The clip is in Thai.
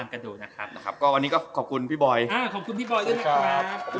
วันนี้ก็ขอบคุณพี่บอยขอบคุณพี่บอยด้วยนะครับ